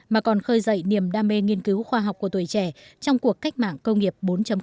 mà còn khơi dậy niềm đam mê nghiên cứu khoa học của tuổi trẻ trong cuộc cách mạng công nghiệp bốn